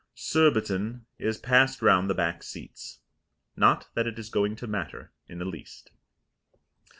"Surbiton" is passed round the back seats. Not that it is going to matter in the least.